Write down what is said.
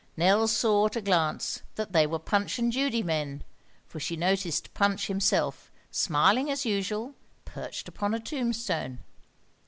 Nell saw at a glance that they were Punch and Judy men, for she noticed Punch himself, smiling as usual, perched upon a tombstone.